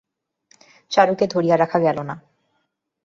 চারুকে ধরিয়া রাখা গেল না।